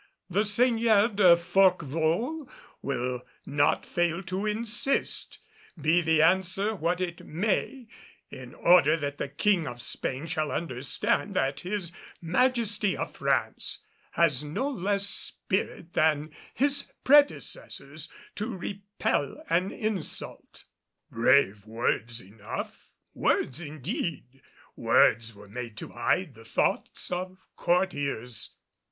The Seigneur de Forquevaulx will not fail to insist, be the answer what it may, in order that the King of Spain shall understand that His Majesty of France has no less spirit than his predecessors to repel an insult." Brave words enough. Words indeed! Words were made to hide the thoughts of courtiers!